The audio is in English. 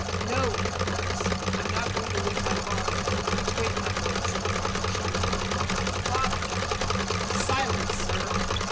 "No," cried Chris; "I'm not going to leave my father." "Wait, my boy," said the doctor sternly. "But, father " "Silence, sir!"